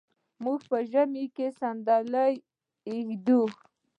موږ په ژمي کې صندلی ږدو.